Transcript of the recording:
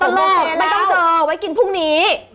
ตั้งเลิกตั้งเลิกไม่ต้องเจอไว้กินพรุ่งนี้